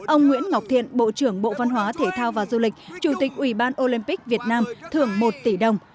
ông nguyễn ngọc thiện bộ trưởng bộ văn hóa thể thao và du lịch chủ tịch ủy ban olympic việt nam thưởng một tỷ đồng